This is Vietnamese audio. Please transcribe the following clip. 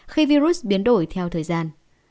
khi virus biến đổi theo thời gian